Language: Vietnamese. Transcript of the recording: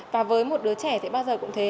và với một đứa trẻ thì bao giờ cũng thế